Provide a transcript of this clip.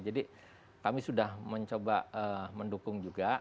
jadi kami sudah mencoba mendukung juga